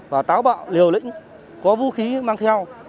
và táo bạo liều lĩnh có vũ khí mang theo